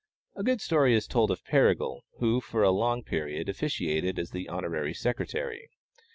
A good story is told of Perigal, who, for a long period, officiated as the Honorary Secretary.